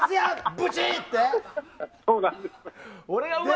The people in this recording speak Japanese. ブチって？